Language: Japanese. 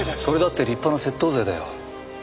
それだって立派な窃盗罪だよ。